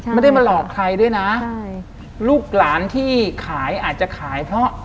ไม่ได้มาหลอกใครด้วยนะใช่ลูกหลานที่ขายอาจจะขายเพราะ